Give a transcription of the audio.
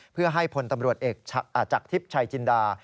เพื่อให้ผลตำรวจจักรทิพย์ชายจินดา